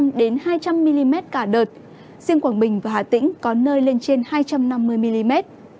quảng ngãi phổ biến từ một trăm linh đến hai trăm linh mm cả đợt riêng quảng bình và hà tĩnh có nơi lên trên hai trăm năm mươi mm